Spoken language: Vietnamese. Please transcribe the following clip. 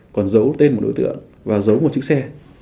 còn giấu tên của đối tượng và giấu một chiếc xe